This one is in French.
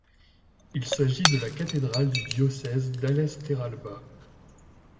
Il s'agit de la cathédrale du diocèse d'Ales-Terralba.